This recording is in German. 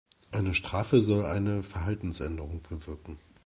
Eine Strafe soll eine Verhaltensänderung bewirken.